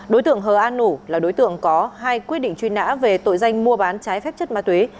đối tượng hờ an nủ là đối tượng có hai quyết định truy nã về tội danh mua bán trái phép chất ma túy